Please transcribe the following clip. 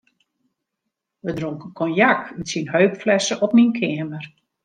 We dronken konjak út syn heupflesse op myn keamer.